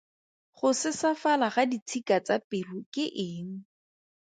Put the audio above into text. Go sesafala ga ditshika tsa pelo ke eng?